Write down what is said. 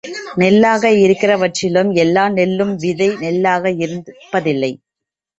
நெல்லாக இருக்கிறவற்றிலும் எல்லா நெல்லும் விதை நெல்லாக இருப்பதில்லை.